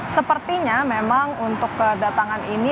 sepertinya memang untuk kedatangan ini